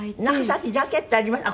さっきジャケットありました